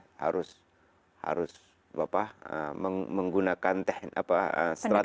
betul harus harus harus apa apa menggunakan teh apa strategi